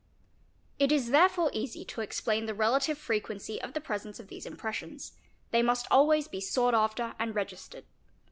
It is therefore easy to explain the relative frequency of the presence of these impressions; they must be always sought after and registered.